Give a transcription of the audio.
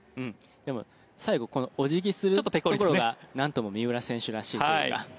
でも、最後お辞儀するところがなんとも三浦選手らしいというか。